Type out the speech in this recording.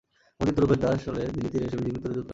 মোদি তুরুপের তাস হলে দিল্লির তীরে এসে বিজেপির তরি ডুবত না।